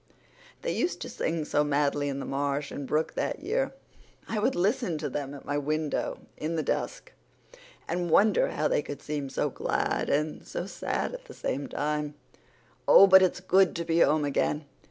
"They used to sing so madly in the marsh and brook that year. I would listen to them at my window in the dusk, and wonder how they could seem so glad and so sad at the same time. Oh, but it's good to be home again!